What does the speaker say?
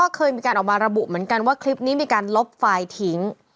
เหมือนกันว่าคลิปนี้มีการลบไฟล์ทิ้ง